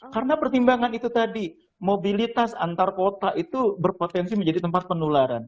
karena pertimbangan itu tadi mobilitas antar kota itu berpotensi menjadi tempat penularan